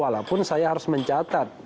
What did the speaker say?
walaupun saya harus mencatat